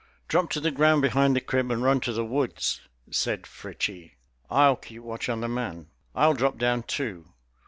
"Drop to the ground behind the crib and run to the woods," said Fritchie. "I'll keep watch on the man. I'll drop down too.